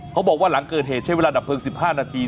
เขาบอกว่าหลังเกิดเหตุใช้เวลาดับเพลิง๑๕นาที